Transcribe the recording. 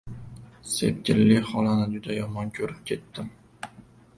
Sepkilli xolani juda yomon ko‘rib ketdim.